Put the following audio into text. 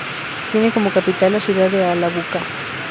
Tiene como capital la ciudad de Ala-Buka.